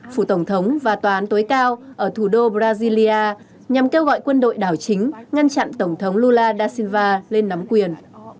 phủ tổng thống và tòa án tối cao ở thủ đô brazilia nhằm kêu gọi quân đội đảo chính ngăn chặn tổng thống lula da silva lên nắm quyền